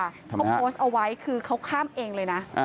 ทำไมครับเพราะโปสเอาไว้คือเขาข้ามเองเลยนะ